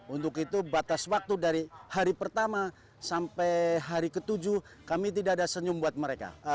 untuk itu batas waktu dari hari pertama sampai hari ke tujuh kami tidak ada senyum buat mereka